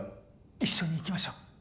一緒に行きましょう